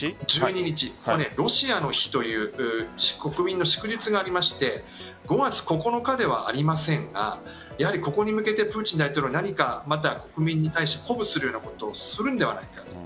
ロシアの日という国民の祝日がありまして５月９日ではありませんがここに向けてプーチン大統領何か国民に対し鼓舞するようなことをするのではないかと。